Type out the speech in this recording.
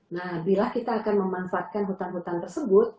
nah bila kita akan memanfaatkan hutan hutan tersebut